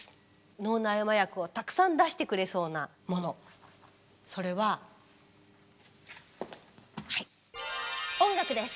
脳内麻薬をたくさん出してくれそうなものそれは音楽です！